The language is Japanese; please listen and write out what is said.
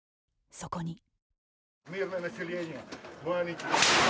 そこに。